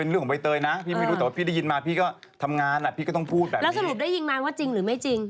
แล้วสรุปได้ยินงานว่าจริงหรือไม่จริง